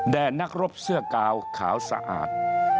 นักรบเสื้อกาวขาวสะอาด